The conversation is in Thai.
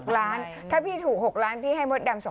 ๖ล้านถ้าพี่ถูก๖ล้านพี่ให้มดดำ๒